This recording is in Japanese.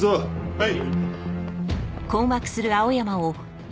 はい。